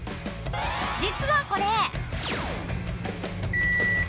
実はこれ。